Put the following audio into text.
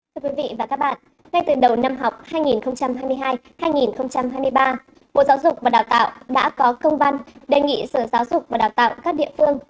thưa quý vị và các bạn ngay từ đầu năm học hai nghìn hai mươi hai hai nghìn hai mươi ba bộ giáo dục và đào tạo đã có công văn đề nghị sở giáo dục và đào tạo các địa phương